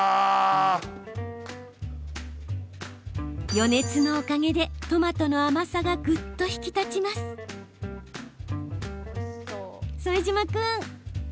余熱のおかげで、トマトの甘さがぐっと引き立ちます。